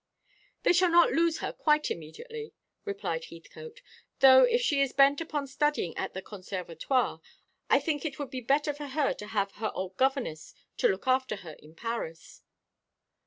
"They shall not lose her quite immediately," replied Heathcote, "though if she is bent upon studying at the Conservatoire, I think it would be better for her to have her old governess to look after her in Paris."